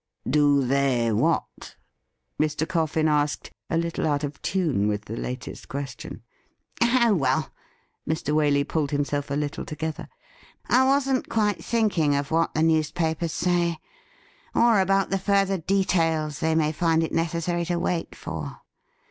' Do they — ^what .?' Mr. Coffin asked, a little out of tune with the latest question. ' Oh, well '— Mr. Waley pulled himself a little together —' I wasn't quite thinking of what the newspapers say, or about the further details they may find it necessary to wait for.